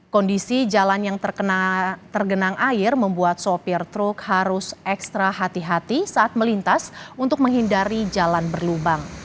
kondisi jalan yang tergenang air membuat sopir truk harus ekstra hati hati saat melintas untuk menghindari jalan berlubang